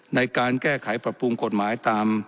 ในการแก้ไขประพูลกฎหมายตาม